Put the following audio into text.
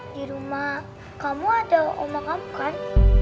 di rumah kamu ada omak kamu kan